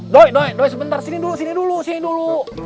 doi doi sebentar sini dulu sini dulu